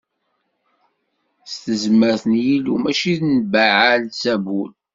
S tezmert n Yillu mačči n Baɛal Zabul.